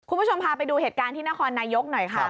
คุณผู้ชมพาไปดูเหตุการณ์ที่นครนายกหน่อยค่ะ